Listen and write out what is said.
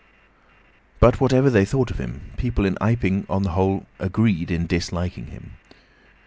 But whatever they thought of him, people in Iping, on the whole, agreed in disliking him.